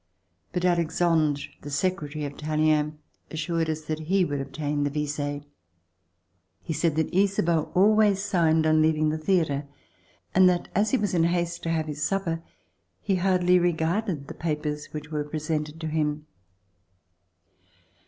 But Alexandre, the secre tary of Tallien, assured us that he would obtain the vise. He said that Ysabeau always signed on leaving the theatre, and that as he was in haste to have his supper, he hardly regarded the papers which were presented to him.